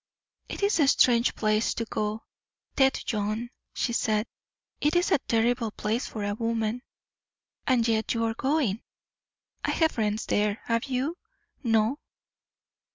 "It is a strange place to go Tête Jaune," she said. "It is a terrible place for a woman." "And yet you are going?" "I have friends there. Have you?" "No."